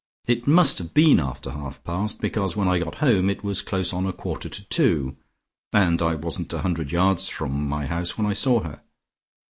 It must have been after half past because when I got home it was close on a quarter to two, and I wasn't a hundred yards from my house when I saw her.